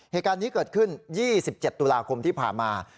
เหตุการณ์นี้เกิดขึ้น๒๗ตุลาคมที่ผ่านมา